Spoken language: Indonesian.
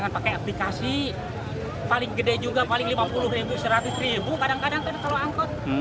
pakai aplikasi paling gede juga paling rp lima puluh rp seratus kadang kadang kan kalau angkut